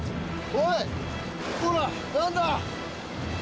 おい！